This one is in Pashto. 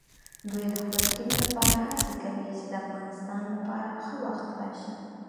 دوی د خپل ټیم لپاره هڅې کوي چې د افغانستان لپاره ښه وخت راشي.